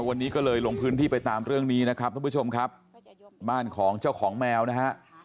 วันนี้ก็เลยลงพื้นที่ไปตามเรื่องนี้นะครับท่านผู้ชมครับบ้านของเจ้าของแมวนะฮะ